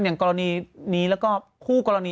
อย่างกรณีนี้แล้วก็คู่กรณี